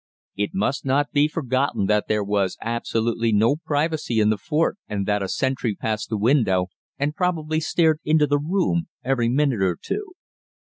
It must not be forgotten that there was absolutely no privacy in the fort, and that a sentry passed the window and probably stared into the room every minute or two.